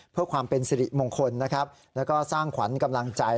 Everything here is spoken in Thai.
เพื่อความเป็นสิริมงคลและสร้างขวัญขำลังใจ